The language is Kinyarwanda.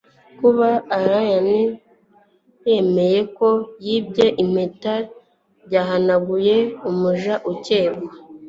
kuba alain yemeye ko yibye impeta byahanaguye umuja ukekwa